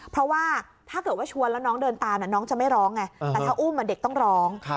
เพราะว่าถ้าเกิดว่าชวนแล้วน้องเดินตามน้องจะไม่ร้องไงแต่ถ้าอุ้มเด็กต้องร้อง